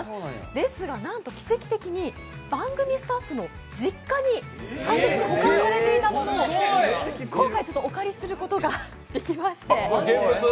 ですが、なんと奇跡的に番組スタッフの実家に大切に保管されていたものを今回お借りすることができまして。現物？